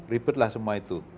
ribet lah semua itu